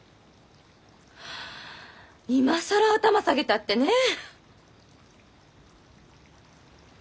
今更頭下げたってねえ！